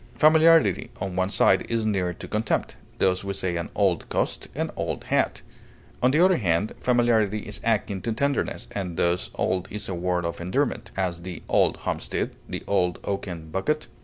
Familiarity, on one side, is near to contempt; thus we say, an old coat, an old hat. On the other hand, familiarity is akin to tenderness, and thus old is a word of endearment; as, "the old homestead," the "old oaken bucket."